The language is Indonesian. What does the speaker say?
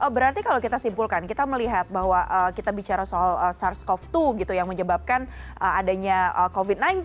berarti kalau kita simpulkan kita melihat bahwa kita bicara soal sars cov dua gitu yang menyebabkan adanya covid sembilan belas